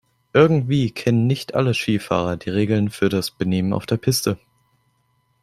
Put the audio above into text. Irgendwie kennen nicht alle Skifahrer die Regeln für das Benehmen auf der Piste.